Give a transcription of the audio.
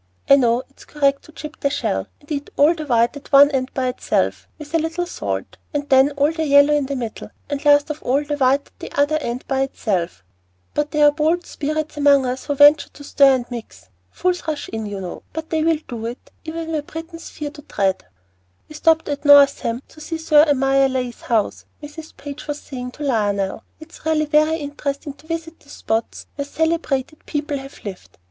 I know it's correct to chip the shell, and eat all the white at one end by itself, with a little salt, and then all the yellow in the middle, and last of all the white at the other end by itself; but there are bold spirits among us who venture to stir and mix. Fools rush in, you know; they will do it, even where Britons fear to tread." "We stopped at Northam to see Sir Amyas Leigh's house," Mrs. Page was saying to Lionel. "It's really very interesting to visit the spots where celebrated people have lived.